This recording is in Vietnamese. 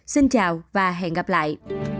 xin chào và hẹn gặp lại